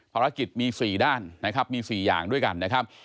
ภารกิจมี๔ด้านนะครับมี๔อย่างด้วยกันนะครับ